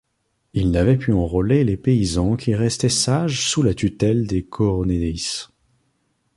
Ils n’avaient pu enrôler les paysans qui restaient sage sous la tutelle des coronéis.